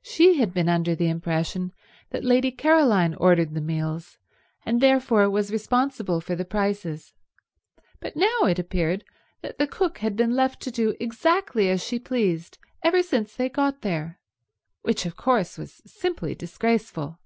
She had been under the impression that Lady Caroline ordered the meals and therefore was responsible for the prices, but now it appeared that the cook had been left to do exactly as she pleased ever since they got there, which of course was simply disgraceful.